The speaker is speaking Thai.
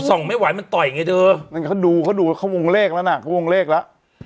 ส่องไม่หวานมันต่อยง่ายดูเธออันนั้นเขามองเลกละน่ะเขามองเลกละ